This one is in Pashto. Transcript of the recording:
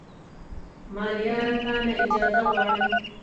ملیاره تا نه اجازه غواړم